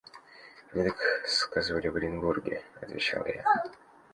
«Мне так сказывали в Оренбурге», – отвечал я.